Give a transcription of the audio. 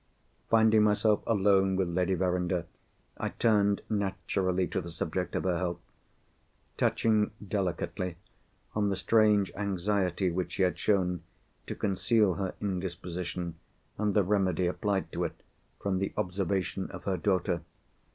Finding myself alone with Lady Verinder, I turned naturally to the subject of her health; touching delicately on the strange anxiety which she had shown to conceal her indisposition, and the remedy applied to it, from the observation of her daughter.